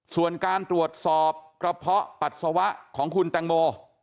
ส่วนการตรวจสอบกระเพาะปัสสาวะของคุณแตงโม